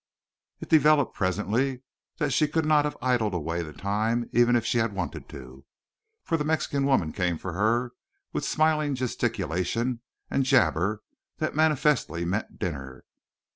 It developed, presently, that she could not have idled away the time even if she had wanted to, for the Mexican woman came for her, with smiling gesticulation and jabber that manifestly meant dinner.